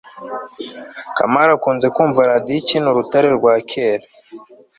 kamali akunze kumva radio ikina urutare rwa kera